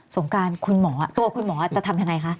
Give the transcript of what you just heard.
งการคุณหมอตัวคุณหมอจะทำยังไงคะ